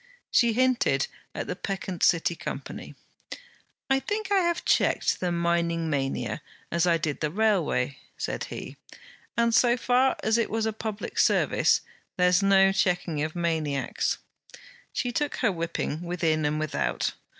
She hinted at the peccant City Company. 'I think I have checked the mining mania, as I did the railway,' said he; 'and so far it was a public service. There's no checking of maniacs.' She took her whipping within and without.